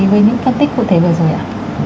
với những phát tích cụ thể vừa rồi ạ